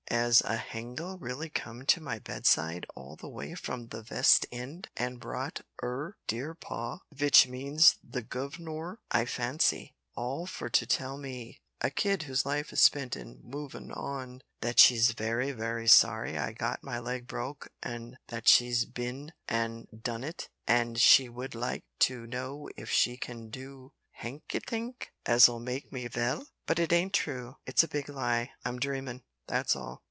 'As a hangel really come to my bedside all the vay from the Vest end, an' brought 'er dear pa' vich means the guv'nor, I fancy all for to tell me a kid whose life is spent in `movin' on' that she's wery, wery, sorry I've got my leg broke, an' that she's bin an' done it, an' she would like to know if she can do hanythink as'll make me vell! But it ain't true. It's a big lie! I'm dreamin', that's all.